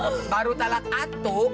tidak ada yang salah satu